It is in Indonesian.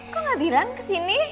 kok gak bilang kesini